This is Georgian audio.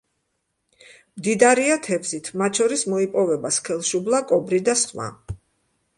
მდიდარია თევზით, მათ შორის მოიპოვება სქელშუბლა, კობრი და სხვა.